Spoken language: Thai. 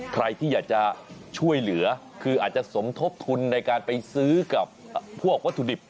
ใครที่อยากจะช่วยเหลือคืออาจจะสมทบทุนในการไปซื้อกับพวกวัตถุดิบ